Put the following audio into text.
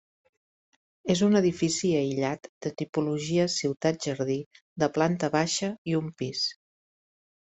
És un edifici aïllat de tipologia ciutat-jardí, de planta baixa i un pis.